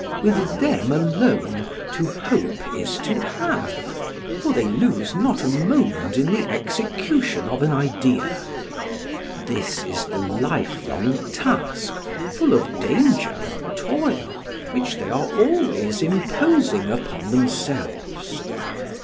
"With them alone to hope is to have, for they lose not a moment in the execution of an idea. This is the lifelong task, full of danger and toil, which they are always imposing upon themselves.